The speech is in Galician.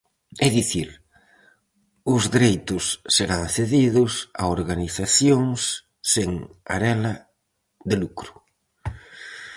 É dicir, os dereitos serán cedidos a organizacións sen arela de lucro.